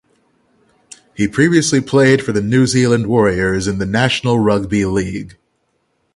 He previously played for the New Zealand Warriors in the National Rugby League.